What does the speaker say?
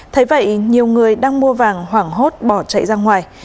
thế vậy nhiều người đang mua vàng hoảng hốt bỏ chạy ra ngoài